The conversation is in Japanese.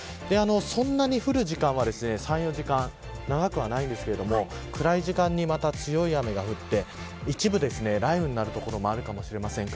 そんなに降る時間は３、４時間、長くはありませんが暗い時間に強い雨が降って、一部で雷雨になる所があるかもしれません。